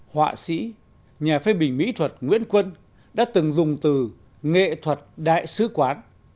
họa sĩ nhà phê bình mỹ thuật nguyễn quân đã từng dùng từ nghệ thuật đại sứ quán